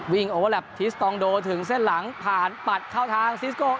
วิ่งอัพเบสฟิสตองโดถึงเส้นหลังผ่านปัดเข้าทางซิสโก